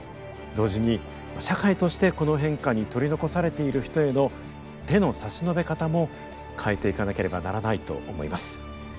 同時に社会としてこの変化に取り残されている人への手の差し伸べ方も変えていかなければならないと思います。